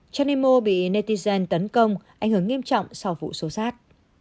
trang nemo bị netizen tấn công ảnh hưởng nghiêm trọng sau vụ xô xát